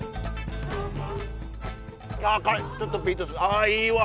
あいいわ！